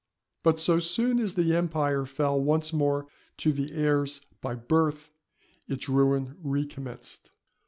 But so soon as the empire fell once more to the heirs by birth, its ruin recommenced.